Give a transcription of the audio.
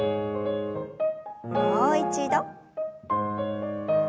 もう一度。